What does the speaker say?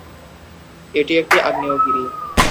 এটি একটি আগ্নেয়গিরি।